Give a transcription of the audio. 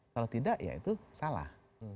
kalau tidak ya itu salah